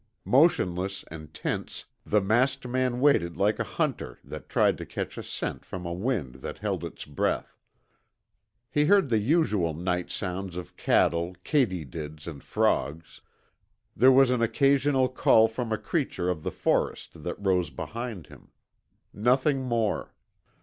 Motionless and tense, the masked man waited like a hunter that tried to catch a scent from a wind that held its breath. He heard the usual night sounds of cattle, katydids, and frogs. There was an occasional call from a creature of the forest that rose behind him. Nothing more.